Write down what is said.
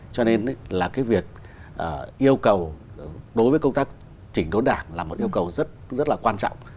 cho nên là cái việc yêu cầu đối với công tác chỉnh đốn đảng là một yêu cầu rất là quan trọng